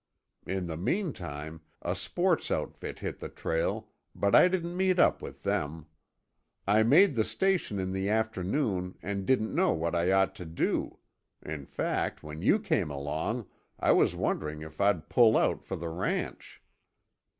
In the meantime, a sports outfit hit the trail, but I didn't meet up with them. I made the station in the afternoon and didn't know what I ought to do. In fact, when you came along, I was wondering if I'd pull out for the ranch."